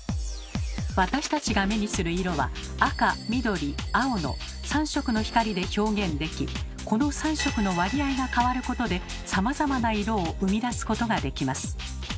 私たちが目にする色は赤緑青の３色の光で表現できこの３色の割合が変わることでさまざまな色を生み出すことができます。